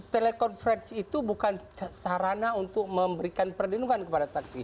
telekonferensi itu bukan sarana untuk memberikan perlindungan kepada saksi